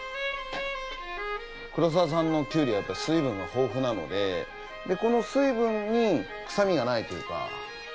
黒澤さんのきゅうりはやっぱり水分が豊富なのでこの水分に臭みがないというか。